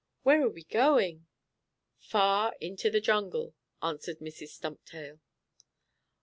"Where are we going?" "Far into the jungle," answered Mrs. Stumptail.